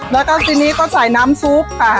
แล้วก็ทีนี้ก็ใส่น้ำซุปค่ะ